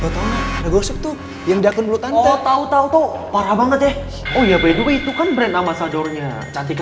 tahu tahu parah banget ya oh ya by the way itu kan brand amasador nya cantik